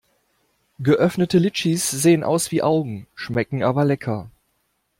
Geöffnete Litschis sehen aus wie Augen, schmecken aber lecker.